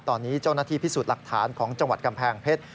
ตอนนี้เจ้าหน้าที่พิสูจน์หลักฐานของจังหวัดกำแพงเพชร